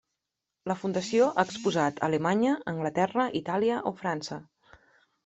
La Fundació ha exposat a Alemanya, Anglaterra, Itàlia o França.